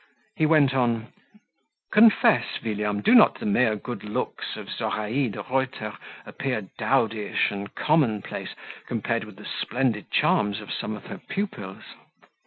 He went on: "Confess, William, do not the mere good looks of Zoraide Reuter appear dowdyish and commonplace compared with the splendid charms of some of her pupils?"